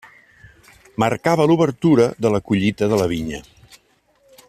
Marcava l'obertura de la collita de la vinya.